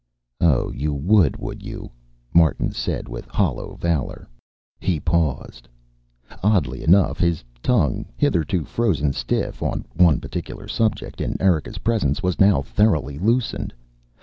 "Oh, you would, would you?" Martin said with hollow valor. He paused. Oddly enough his tongue, hitherto frozen stiff on one particular subject in Erika's presence, was now thoroughly loosened.